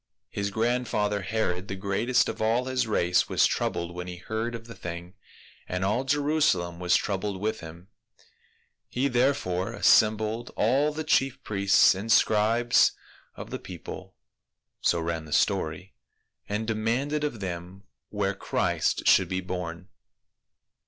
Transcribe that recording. His grandfather Herod, the greatest of all his race, was troubled when he heard of the thing, and all Jerusalem was troubled with him, he therefore as sembled all of the chief priests and scribes of the j)eople — so ran the story — and demanded of them where Christ should be born.